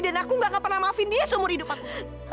dan aku gak akan pernah maafin dia seumur hidup aku